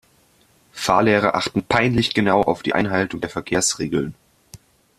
Fahrlehrer achten peinlich genau auf die Einhaltung der Verkehrsregeln.